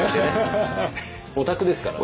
オタクですからね。